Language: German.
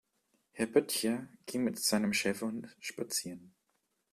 Herr Böttcher ging mit seinem Schäferhund spazieren.